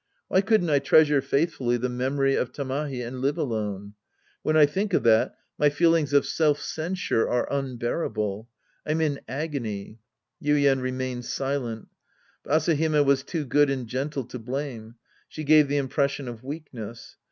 Why couldn't I treasure faithfully the memory of Tamahi and live alone ? When I think of that, my feelings of self censure are unbearable. I'm in agony. (Yuien remains silent). But Asahime was too good and gentle to blame. She gave the impression of weakness.